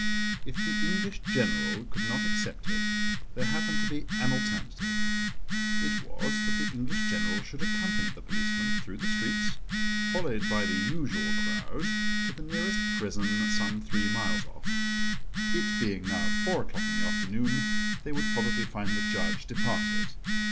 If the English General could not accept it there happened to be an alternative. It was that the English General should accompany the policeman through the streets, followed by the usual crowd, to the nearest prison, some three miles off. It being now four o'clock in the afternoon, they would probably find the judge departed.